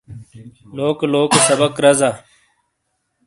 لوکے لوکے سبق رزا۔